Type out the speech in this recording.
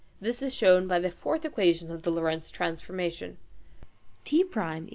This is shown by the fourth equation of the Lorentz transformation: eq.